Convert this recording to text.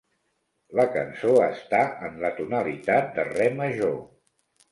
La cançó està en la tonalitat de re major.